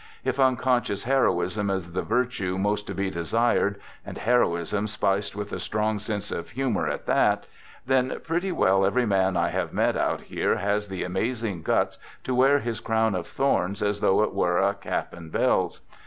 If unconscious heroism is the virtue most to be desired, and heroism spiced with a strong sense of humor at that, then pretty well every man I have met out here has the amazing guts to wear his crown of thorns as though it were a cap and bells.